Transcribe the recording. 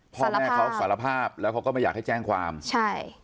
พ่อแม่เขาสารภาพแล้วเขาก็ไม่อยากให้แจ้งความใช่